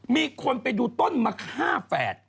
มีคนไปดูต้นมะค่าแฝด